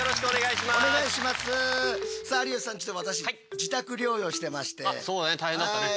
お願いします。